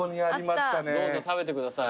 どうぞ食べてください。